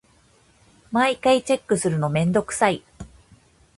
毎回チェックするのめんどくさい。